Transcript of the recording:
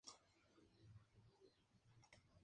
Falló en su intento de atraer a Lisandro a una batalla.